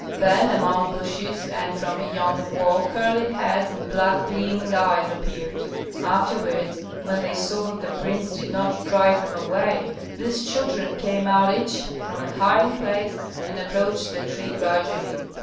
Then among bushes and from beyond the wall curly heads and black gleaming eyes appeared. Afterward, when they saw that the prince did not drive them away, these children came out each from a hiding place and approached the tree gradually.